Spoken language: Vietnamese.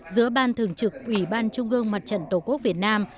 giữa ban thường trực ủy ban trung ương mặt trận tổ quốc việt nam